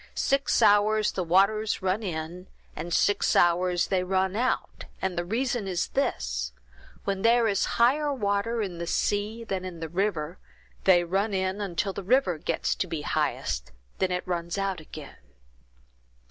Six hours the waters run in, and six hours they run out, and the reason is this: when there is higher water in the sea than in the river, they run in until the river gets to be highest, and then it runs out again."